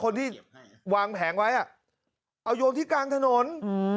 คนที่วางแผงไว้อ่ะเอาโยงที่กลางถนน